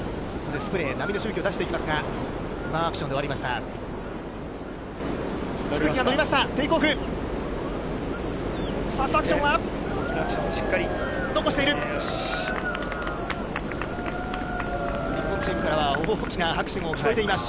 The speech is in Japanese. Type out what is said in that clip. スプレー、波のしぶきを出していきますが、ワンアクションで終わりました。